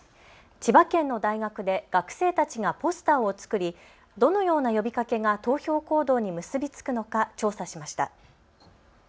千葉県の大学で学生たちがポスターを作り、どのような呼びかけが投票行動に結び付くのか調査しました。